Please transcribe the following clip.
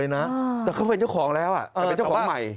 แต่เขาเป็นเจ้าของแล้วแต่เป็นเจ้าของใหม่